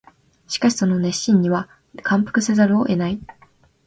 しかしその熱心には感服せざるを得ない